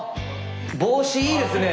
帽子いいですね。